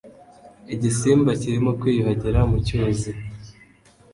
Igisimba kirimo kwiyuhagira mu cyuzi.